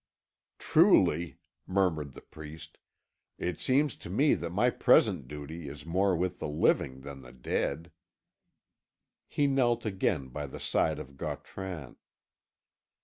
"Truly," murmured the priest, "it seems to me that my present duty is more with the living than the dead." He knelt again by the side of Gautran.